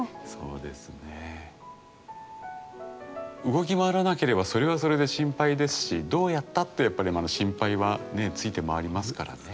動き回らなければそれはそれで心配ですしどうやったってやっぱりまだ心配はねえついて回りますからね。